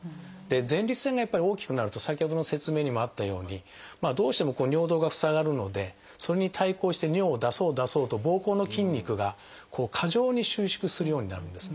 前立腺がやっぱり大きくなると先ほどの説明にもあったようにどうしても尿道が塞がるのでそれに対抗して尿を出そう出そうとぼうこうの筋肉が過剰に収縮するようになるんですね。